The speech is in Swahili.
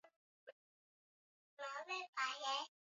baadhi ya wasimamizi wa vituo hapa wamesema wanaweza kulitatua